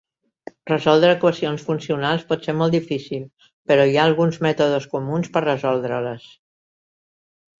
Resoldre equacions funcionals pot ser molt difícil però hi ha alguns mètodes comuns per resoldre-les.